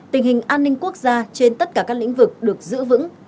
tình hình an ninh quốc gia trên tất cả các lĩnh vực được giữ vững